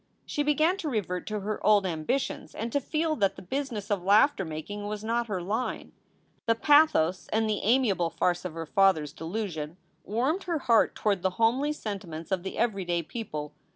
She began to revert to her old ambitions and to feel that the business of laughter making was not her line. The pathos and the amiable farce of her father s delusion warmed her heart toward the homely sentiments of the everyday people.